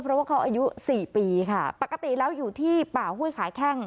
เพราะว่าเขาอายุสี่ปีค่ะปกติแล้วอยู่ที่ป่าห้วยขาแข้ง